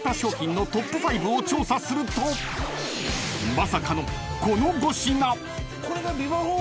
［まさかのこの５品］